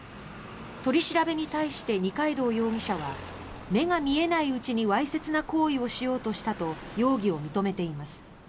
取り調べに対して二階堂容疑者は目が見えないうちにわいせつな行為をしようとしたと容疑を認めています。